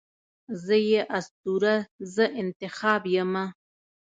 زه یې اسطوره، زه انتخاب یمه